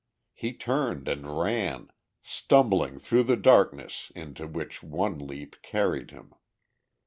He turned and ran, stumbling through the darkness into which one leap carried him.